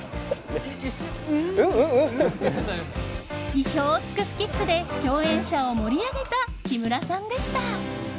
意表を突くスキップで共演者を盛り上げた木村さんでした。